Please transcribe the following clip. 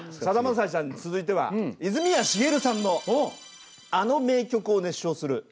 さだまさしさんに続いては泉谷しげるさんのあの名曲を熱唱する。